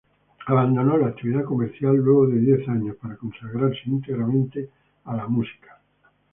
Abandonó la actividad comercial luego de diez años para consagrarse íntegramente a la música.